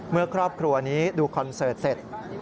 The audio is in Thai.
เมื่อครอบครัวนี้ดูคอนเสิร์ตเสร็จ